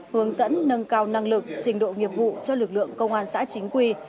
hướng dẫn nâng cao năng lực trình độ nghiệp vụ cho lực lượng công an xã chính quy